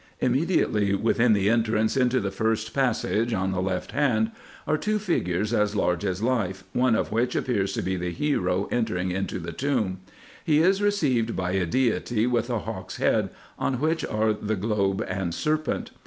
Immediately within the entrance into the first passage, on the left hand, are two figures as large as life, one of which appears to be the hero entering into the tomb. He is received by a deity with a hawk's head, on which are the globe and serpent.